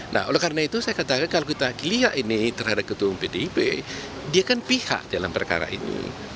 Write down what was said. nah oleh karena itu saya katakan kalau kita lihat ini terhadap ketua umum pdip dia kan pihak dalam perkara ini